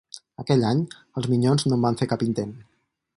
Aquell any, els Minyons no en van fer cap intent.